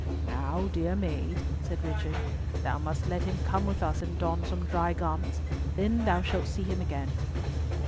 "Now, dear maid," said Richard, "thou must let him come with us and don some dry garments: then shalt thou see him again."